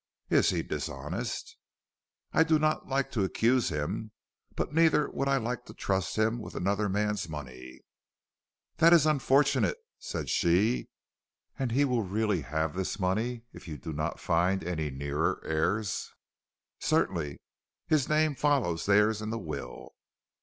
"Is he dishonest?" "I do not like to accuse him, but neither would I like to trust him with another man's money." "That is unfortunate," said she. "And he will really have this money if you do not find any nearer heirs?" "Certainly; his name follows theirs in the will."